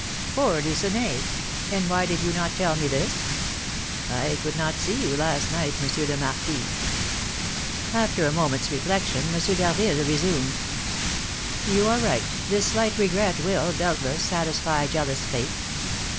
"Poor Lucenay! And why did you not tell me this?" "I could not see you last night, M. le Marquis." After a moment's reflection, M. d'Harville resumed: "You are right, this slight regret will, doubtless, satisfy jealous Fate.